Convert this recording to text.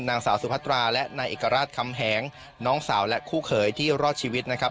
นางสาวสุพัตราและนายเอกราชคำแหงน้องสาวและคู่เขยที่รอดชีวิตนะครับ